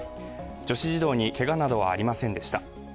女子児童にけがなどはありませんでした。